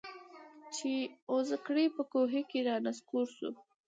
چي اوزګړی په کوهي کي را نسکور سو